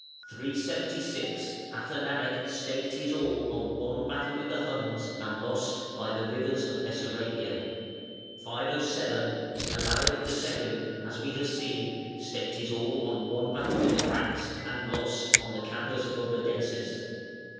(376) Athanaric staked his all on one battle with the Huns, and lost, by the rivers of Bessarabia. (507) Alaric II., as we have seen, staked his all on one battle with the Franks, and lost, on the Campus Vogladensis.